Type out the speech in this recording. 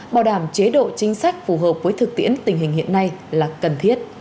bảo đảm chế độ chính sách phù hợp với thực tiễn tình hình hiện nay là cần thiết